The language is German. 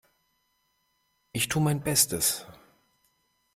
Ich tu mein Bestes.